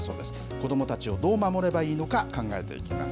子どもたちをどう守ればいいのか考えていきます。